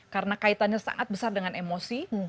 karena kaitannya sangat besar dengan emosi